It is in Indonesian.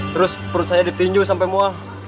terus perut saya ditinju sampai mual